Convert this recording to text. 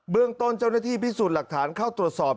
เรื่องต้นเจ้าหน้าที่พิสูจน์หลักฐานเข้าตรวจสอบ